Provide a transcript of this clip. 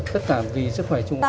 tất cả vì sức khỏe chúng ta